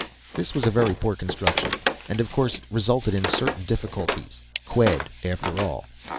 This was a very poor construction, and of course resulted in certain difficulties. Qued, after all.